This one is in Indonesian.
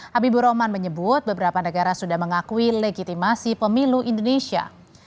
habibur rahman menyebut beberapa negara sudah mengakui legitimasi pemilu indonesia